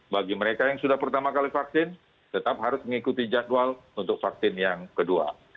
bagi mereka yang sudah pertama kali vaksin tetap harus mengikuti jadwal untuk vaksin yang kedua